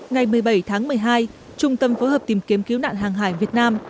ngày một mươi bảy tháng một mươi hai trung tâm phối hợp tìm kiếm cứu nạn hàng hải việt nam